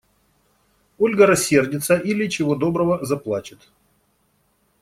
Ольга рассердится или, чего доброго, заплачет.